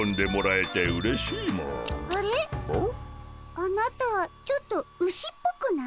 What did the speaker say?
あなたちょっとウシっぽくない？